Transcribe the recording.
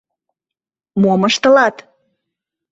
— Мом ыштылат?